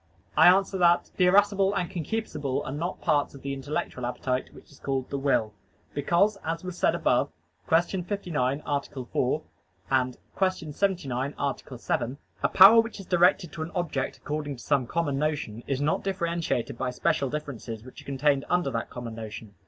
I answer that, The irascible and concupiscible are not parts of the intellectual appetite, which is called the will. Because, as was said above (Q. 59, A. 4; Q. 79, A. 7), a power which is directed to an object according to some common notion is not differentiated by special differences which are contained under that common notion.